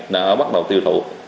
đã bắt đầu tiêu thụ